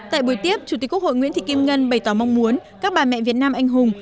tại buổi tiếp chủ tịch quốc hội nguyễn thị kim ngân bày tỏ mong muốn các bà mẹ việt nam anh hùng